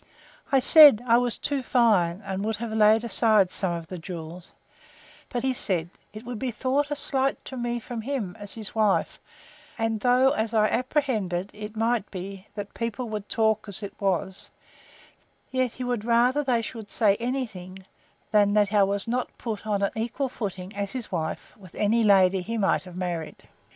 I said, I was too fine, and would have laid aside some of the jewels; but he said, It would be thought a slight to me from him, as his wife; and though as I apprehended, it might be, that people would talk as it was, yet he had rather they should say any thing, than that I was not put upon an equal footing, as his wife, with any lady he might have married.